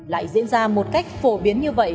lại diễn ra một cách phổ biến như vậy